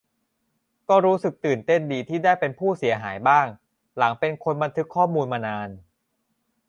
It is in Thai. ก็รู้สึกตื่นเต้นดีที่ได้เป็นผู้เสียหายบ้าง หลังเป็นคนบันทึกข้อมูลมานาน